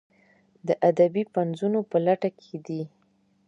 د ادبي پنځونو په لټه کې دي.